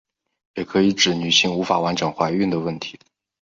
也可以指女性无法完整怀孕的问题。